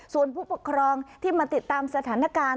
ส่วนผู้ปกครองที่มาติดตามสถานการณ์